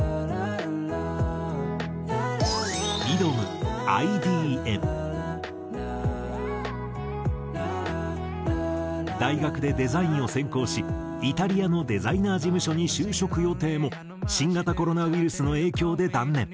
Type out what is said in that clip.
「Ｌａｌａｌａ．．．」大学でデザインを専攻しイタリアのデザイナー事務所に就職予定も新型コロナウイルスの影響で断念。